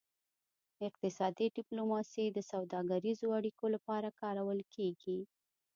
اقتصادي ډیپلوماسي د سوداګریزو اړیکو لپاره کارول کیږي